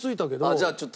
じゃあちょっと。